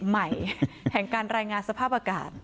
ใหม่แห่งการรายงานสภาพอากาศ